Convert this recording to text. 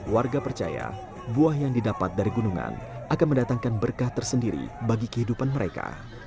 warga percaya buah yang didapat dari gunungan akan mendatangkan berkah tersendiri bagi kehidupan mereka